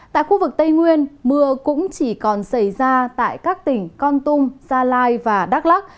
tại khu vực tây nguyên mưa cũng chỉ còn xảy ra tại các tỉnh con tum gia lai và đắk lắc